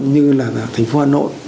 như là thành phố hà nội